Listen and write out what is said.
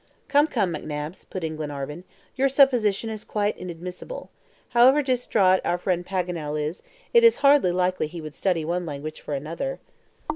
"Come, come, McNabbs," put in Glenarvan, "your supposition is quite inadmissable. However DISTRAIT our friend Paganel is, it is hardly likely he would study one language for another."